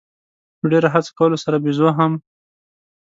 په ډېره هڅه کولو سره بېزو هم.